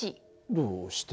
どうして？